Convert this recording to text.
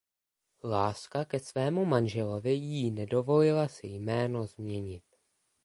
Láska ke svému manželovi jí nedovolila si jméno změnit.